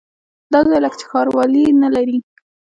دا ځای لکه چې ښاروالي نه لري.